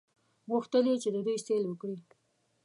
غوښتل یې چې د دوی سیل وکړي.